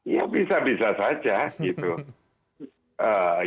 ya bisa bisa saja gitu